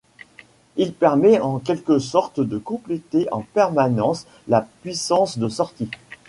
Il permet en quelque sorte de compléter en permanence la puissance de sortie.